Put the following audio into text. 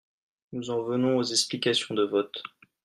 Nous en venons aux explications de vote.